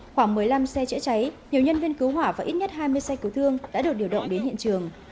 khoảng một mươi năm xe chữa cháy nhiều nhân viên cứu hỏa và ít nhất hai mươi xe cứu thương đã được điều động đến hiện trường